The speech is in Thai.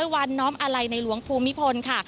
๑๐๐วันน้อมอะไรในหลวงภูมิพลค่ะ